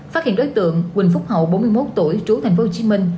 phát hiện đối tượng quỳnh phúc hậu bốn mươi một tuổi trú thành phố hồ chí minh